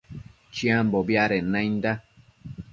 Chiambobi adenda nainda